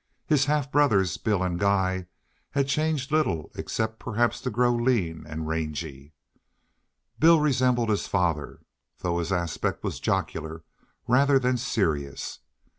His half brothers, Bill and Guy, had changed but little except perhaps to grow lean and rangy. Bill resembled his father, though his aspect was jocular rather than serious.